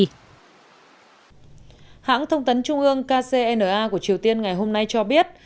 hãng thông tấn trung ương kcna của triều tiên ngày hôm nay cho biết